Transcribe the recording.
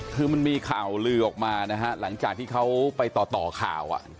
คือมันมีข่าวลือออกมานะฮะหลังจากที่เขาไปต่อข่าว